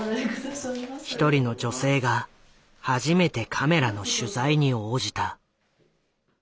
一人の女性が初めてカメラの取材に応じた。